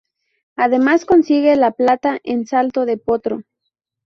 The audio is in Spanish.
Además consigue la plata en salto de potro.